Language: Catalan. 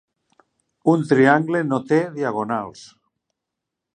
Un triangle no té diagonals.